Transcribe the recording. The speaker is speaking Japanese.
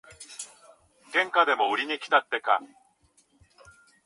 喧嘩でも売りにきたってか。